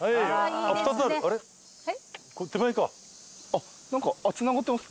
あっ何かつながってます。